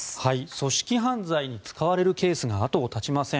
組織犯罪に使われるケースが後を絶ちません。